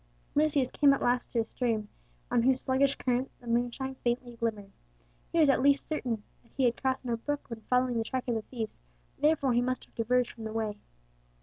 Lucius came at last to a stream, on whose sluggish current the moonshine faintly glimmered. He was at least certain that he had crossed no brook when following the track of the thieves, therefore he must have diverged from the way.